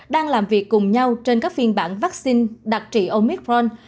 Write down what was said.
đang làm việc cùng nhau trên các phiên bản vaccine đặc trị omitron